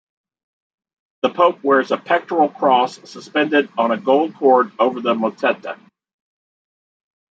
The Pope wears a pectoral cross suspended on a gold cord over the mozzetta.